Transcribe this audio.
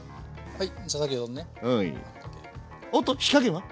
はい。